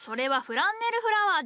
フランネルフラワー？